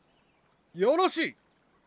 よろしい。